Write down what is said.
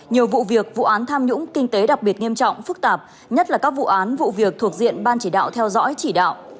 nhiều vụ việc vụ án tham nhũng kinh tế đặc biệt nghiêm trọng phức tạp nhất là các vụ án vụ việc thuộc diện ban chỉ đạo theo dõi chỉ đạo